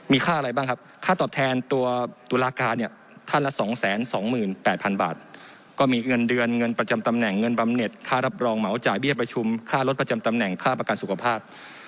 มีค่าอะไรบ้างครับค่าตอบแทนตัวตุลาการเนี่ยท่านละ๒๒๘๐๐๐บาทก็มีเงินเดือนเงินประจำตำแหน่งเงินบำเน็ตค่ารับรองเหมาจ่ายเบี้ยประชุมค่ารถประจำตำแหน่งค่าประกันสุขภาพ